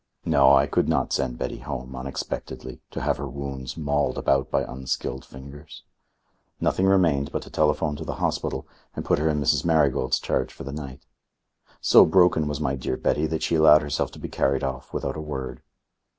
No, I could not send Betty home, unexpectedly, to have her wounds mauled about by unskilful fingers. Nothing remained but to telephone to the hospital and put her in Mrs. Marigold's charge for the night. So broken was my dear Betty, that she allowed herself to be carried off without a word....